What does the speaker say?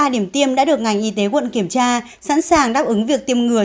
ba điểm tiêm đã được ngành y tế quận kiểm tra sẵn sàng đáp ứng việc tiêm ngừa